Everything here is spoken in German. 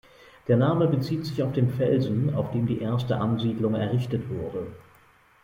Der Name bezieht sich auf den Felsen, auf dem die erste Ansiedlung errichtet wurde.